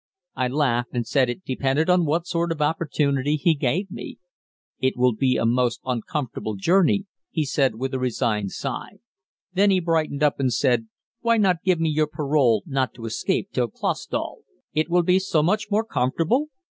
I laughed, and said it depended on what sort of opportunity he gave me. "It will be a most uncomfortable journey," he said with a resigned sigh. Then he brightened up and said, "Why not give me your parole not to escape till Clausthal; it will be so much more comfortable?"